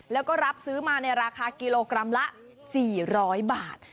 แล้วก็รับซื้อมาในราคากิโลกรัมละ๔๐๐บาท